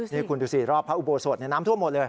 นี่คุณดูสิรอบพระอุโบสถน้ำท่วมหมดเลย